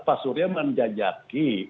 pak surya menjajaki